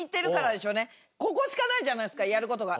ここしかないじゃないですかやることが。